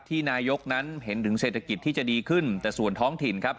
นายกนั้นเห็นถึงเศรษฐกิจที่จะดีขึ้นแต่ส่วนท้องถิ่นครับ